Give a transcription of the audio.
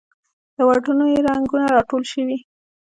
له واټونو یې رنګونه راټول شوې